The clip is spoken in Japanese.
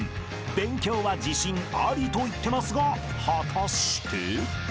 ［勉強は自信ありと言ってますが果たして？］